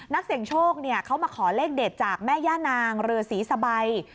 นักเสี่ยงโชคเขามาขอเลขเด็ดจากแม่ย่านางเรือศรีสะใบ